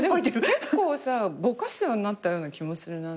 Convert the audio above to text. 結構さぼかすようになったような気もするな。